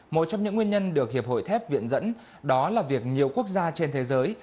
một trong những nguyên nhân được hiệp hội thép viện dẫn đó là việc nhiều quốc gia trên thế giới